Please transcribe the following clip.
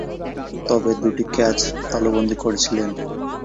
তবে দুইটি ক্যাচ তালুবন্দী করেছিলেন।